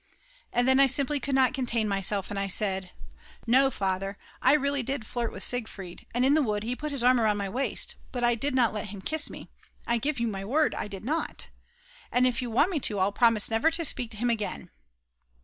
And then I simply could not contain myself, and I said: "No, Father, I really did flirt with Siegfried, and in the wood he put his arm round my waist; but I did not let him kiss me, I give you my word I did not. And if you want me to I'll promise never to speak to him again."